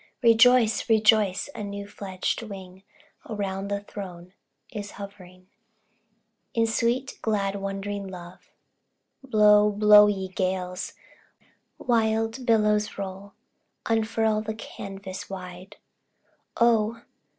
Rejoice, rejoice! a new fledged wing Around the Throne is hovering, In sweet, glad, wondering love. Blow, blow, ye gales! wild billows roll! Unfurl the canvas wide! O!